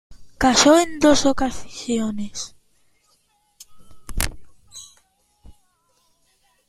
Casó en dos ocasiones.